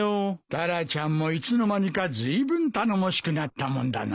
タラちゃんもいつの間にかずいぶん頼もしくなったもんだな。